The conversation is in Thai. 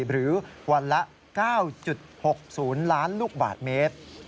หรือวันละ๙๖๐ล้านลูกบาทเมตร